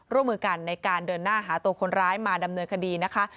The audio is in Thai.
ร่วมมือกันในการเดินหน้าหาตัวคนร้ายมาดำเนินคดีนะคะ